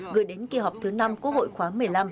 gửi đến kỳ họp thứ năm quốc hội khóa một mươi năm